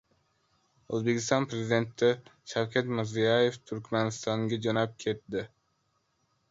O‘zbekiston Prezidenti Shavkat Mirziyoyev Turkmanistonga jo‘nab ketdi.